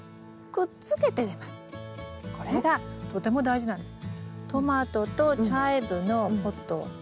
これがとても大事なんです。